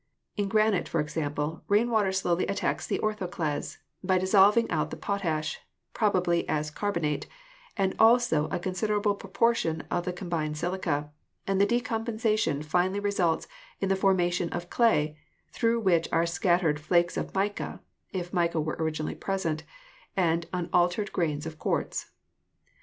In granite, for example, rain water slowly attacks the orthoclase by dissolving out the potash, probably as a carbonate, and also a considerable propor tion of the combined silica, and the decomposition finally results in the formation of clay, through which are scat tered flakes of mica (if mica were originally present) and the unaltered grains of quartz.